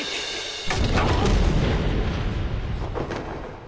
あっ！？